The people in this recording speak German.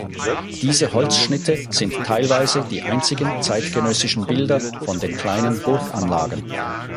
Diese Holzschnitte sind teilweise die einzigen zeitgenössischen Bilder von den kleinen Burganlagen.